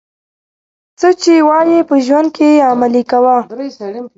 څه چي وايې په ژوند کښي ئې عملي کوه.